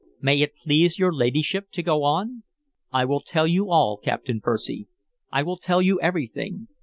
May it please your ladyship to go on?" "I will tell you all, Captain Percy; I will tell you everything....